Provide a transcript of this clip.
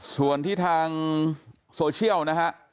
ส่วนที่ทางโซเชียล